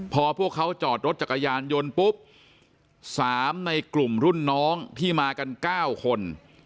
พอพวกเขาจอดรถจักรยานยนต์ปุ๊บ๓ในกลุ่มรุ่นน้องที่มากัน๙คน